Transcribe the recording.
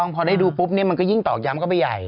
พอได้ดูปุ๊บมันก็ยิ่งตอกย้ำเข้าไปใหญ่